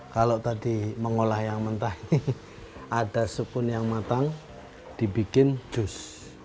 kalau tadi mengolah yang mentah ini ada sukun yang matang dibikin jus